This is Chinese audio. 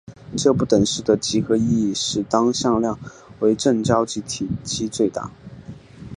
这不等式的几何意义是当向量为正交集时体积最大。